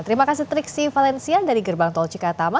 terima kasih triksi valensia dari gerbang ton cikampek utama